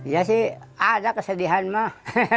ya sih ada kesedihan mah